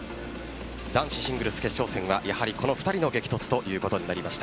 男子シングルス決勝戦はやはり、この２人の激突ということになりました。